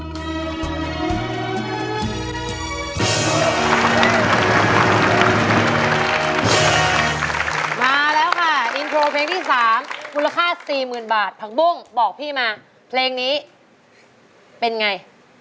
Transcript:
มาแล้วค่ะอินโทรเพลงที่๓มูลค่า๔๐๐๐บาทผักบุ้งบอกพี่มาเพลงนี้เป็นไง